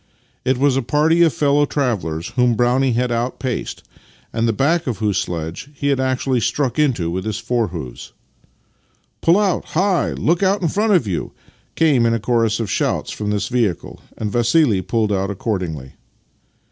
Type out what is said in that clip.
It was a party of fellow travellers whom Brownie had outpaced, and the back of whose sledge he had actually struck into with his fore hoofs. " Pull out! Hi! Look out in front of you! " came in a chorus of shouts from this vehicle, and Vassili pulled out accordingly.